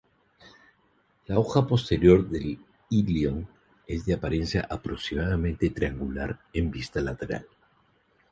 La hoja posterior del ilion es de apariencia aproximadamente triangular en vista lateral.